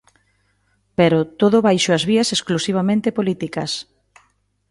Pero, todo baixo as vías exclusivamente políticas.